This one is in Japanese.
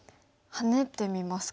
ハネてみますか。